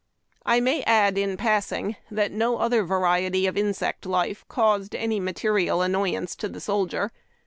I may add in passing that no other variety of insect life caused any material annoyance to the soldier.